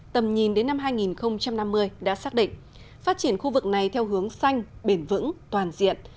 tầm nhìn đến năm hai nghìn năm mươi đã xác định phát triển khu vực này theo hướng xanh bền vững toàn diện